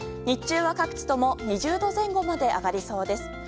日中は各地とも２０度前後まで上がりそうです。